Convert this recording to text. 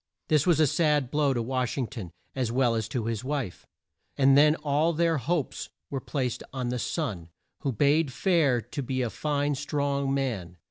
This was a sad blow to Wash ing ton, as well as to his wife, and then all their hopes were placed on the son, who bade fair to be a fine strong man.